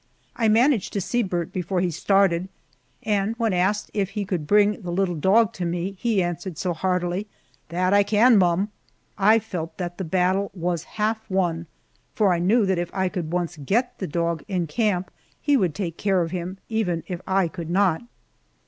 I managed to see Burt before he started, and when asked if he could bring the little dog to me he answered so heartily, "That I can, mum," I felt that the battle was half won, for I knew that if I could once get the dog in camp he would take care of him, even if I could not.